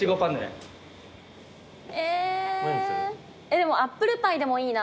でもアップルパイでもいいな。